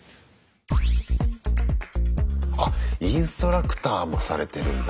あっインストラクターもされてるんだ。